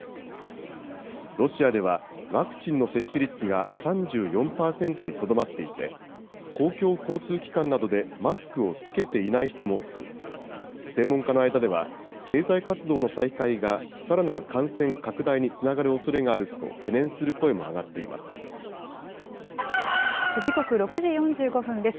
ロシアでは、ワクチンの接種率が３４％にとどまっていて、公共交通機関などでマスクを着けていない人も多く、専門家の間では、経済活動の再開がさらなる感染拡大につながるおそれがあると懸念時刻、６時４５分です。